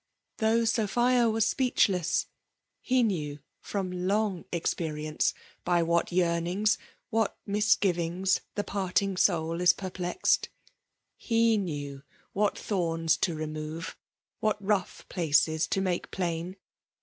Though Sophia was speechless, he knew, from long experience, by what yearnings — what mis givings— the parting soul is perplexed, — he knew what thorns to remove, what rough places to make plain.